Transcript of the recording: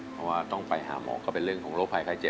เพราะว่าต้องไปหาหมอก็เป็นเรื่องของโรคภัยไข้เจ็บ